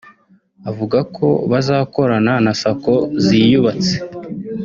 avuga ko bazakorana na Sacco ziyubatse